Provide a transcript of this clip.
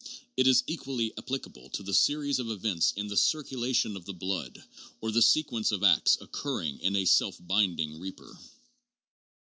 It is equally applicable to the series of events in the cir culation of the blood, or the sequence of acts occurring in a self binding reaper.